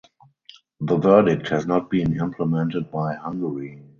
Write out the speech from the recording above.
The verdict has not been implemented by Hungary.